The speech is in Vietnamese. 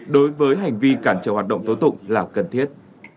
đối với hành vi cản trở hoạt động tố tụng là cần thiết